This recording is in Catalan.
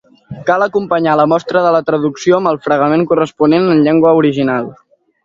Cal acompanyar la mostra de la traducció amb el fragment corresponent en llengua original.